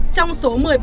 trong số một mươi ba